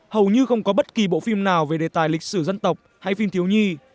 hầu như không có bất kỳ bộ phim nào về đề tài lịch sử dân tộc hay phim thiếu nhi